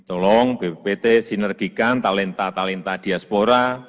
tolong bppt sinergikan talenta talenta diaspora